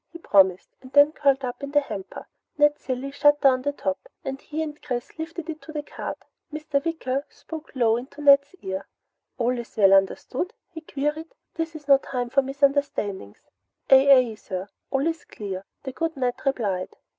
he promised, and then curled up in the hamper. Ned Cilley shut down the top and he and Chris lifted it to the cart. Mr. Wicker spoke low into Ned's ear. "All is well understood?" he queried. "This is no time for misunderstandings!" "Aye aye, sir! All is clear!" the good Ned replied.